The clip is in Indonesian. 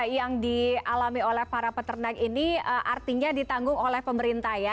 yang dialami oleh para peternak ini artinya ditanggung oleh pemerintah ya